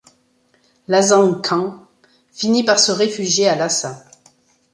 Lkhazang Khan finit par se réfugié à Lhassa.